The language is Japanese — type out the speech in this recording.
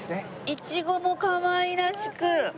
いちごもかわいらしく。